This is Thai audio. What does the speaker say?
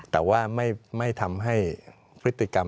แต่ว่าไม่ทำให้พฤติกรรม